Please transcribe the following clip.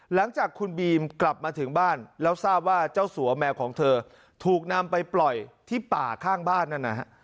หลังจากคุณบีมกลับมาถึงบ้านแล้วทราบว่าเจ้าสัวแมวของเธอถูกนำไปปล่อยที่ป่าข้างบ้านนั่นนะฮะ